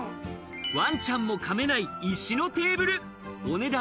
わんちゃんも噛めない石のテーブル、お値段